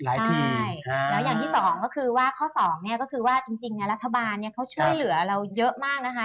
ใช่แล้วอย่างที่สองก็คือว่าข้อสองเนี่ยก็คือว่าจริงรัฐบาลเขาช่วยเหลือเราเยอะมากนะคะ